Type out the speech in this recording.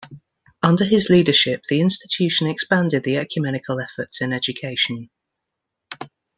Under his leadership the institution expanded the ecumenical efforts in education.